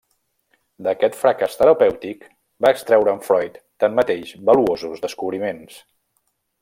D'aquest fracàs terapèutic va extreure'n Freud, tanmateix, valuosos descobriments.